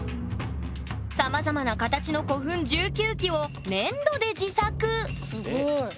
さまざまな形の古墳１９基を粘土で自作すごい。